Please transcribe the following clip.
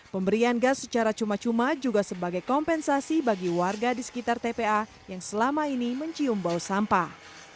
pemberian gas secara cuma cuma juga sebagai kompensasi bagi warga di sekitar tpa yang selama ini mencium bau sampah